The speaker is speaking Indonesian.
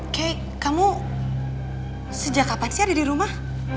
key kamu sejak kapan sih ada di rumah